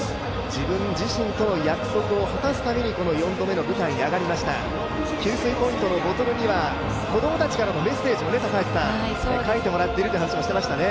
自分自身との約束を果たすために４度目の舞台に上がりました給水ポイントのボトルには子供たちからのメッセージを書いてもらっていると話していましたね。